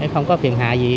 không có phiền hại gì